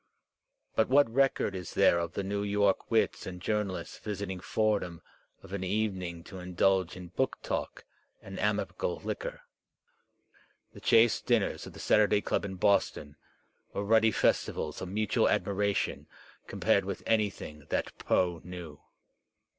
But what record is there of the New York wits and journalists visiting Fordham of an evening to indulge in book talk and amicable liquor? The chaste dinners of the Saturday Club in Boston were ruddy festivals of mutual admiration com pared with anything that Poe knew.